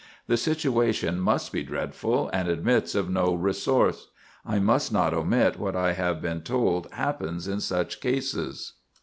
The situation must be dreadful, and admits of no resource. I must not omit what I have been told happens in such cases.